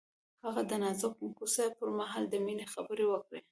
هغه د نازک کوڅه پر مهال د مینې خبرې وکړې.